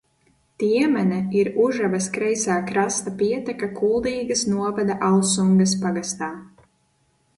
Tiemene ir Užavas kreisā krasta pieteka Kuldīgas novada Alsungas pagastā.